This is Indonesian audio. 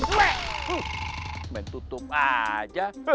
tapi president better singkir penggunanya